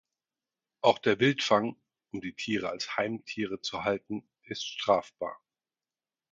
Auch der Wildfang, um die Tiere als Heimtiere zu halten, ist strafbar.